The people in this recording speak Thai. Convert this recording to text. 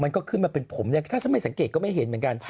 ขึ้นมาเป็นผมเนี่ยถ้าฉันไม่สังเกตก็ไม่เห็นเหมือนกัน